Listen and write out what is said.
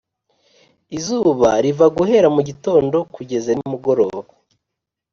izuba riva guhera mugitondo kugeza nimugoroba